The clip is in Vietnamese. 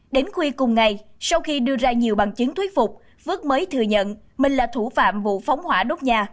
đến khuya cùng ngày sau khi đưa ra nhiều bằng chứng thuyết phục phước mới thừa nhận mình là thủ phạm vụ phóng hỏa đốt nhà